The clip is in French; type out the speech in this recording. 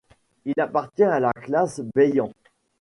Il appartient à la classe Bayan.